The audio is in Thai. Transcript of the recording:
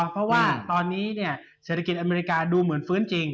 เพราะว่าตอนนี้เศรษฐกิจอเมริกาดูเหมือนฟื้นจริง